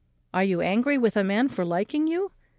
"Are you angry with a man for liking you?